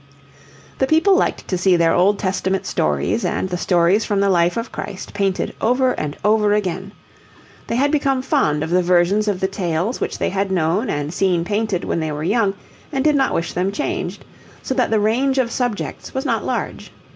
The people liked to see their Old Testament stories and the stories from the Life of Christ painted over and over again. They had become fond of the versions of the tales which they had known and seen painted when they were young, and did not wish them changed, so that the range of subjects was not large.